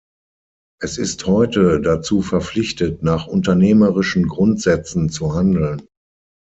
Es ist heute dazu verpflichtet, nach unternehmerischen Grundsätzen zu handeln.